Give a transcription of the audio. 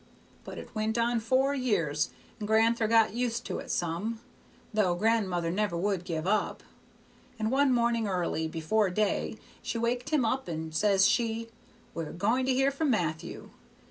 But it went on four years, and gran'ther got used to it some; though grandmother never would give up. And one morning early, before day, she waked him up, and says she, 'We're going to hear from Matthew.